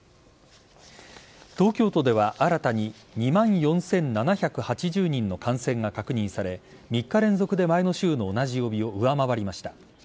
東京都では新たに２万４７８０人の感染が確認され３日連続で前の週の同じ曜日を上回りました。